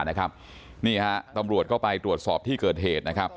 นี่ฮะตำรวจก็ไปตรวจสอบที่เกิดเหตุนะครับ